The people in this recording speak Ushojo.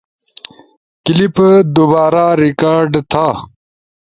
کلپ دوبارا ریکارڈ تھا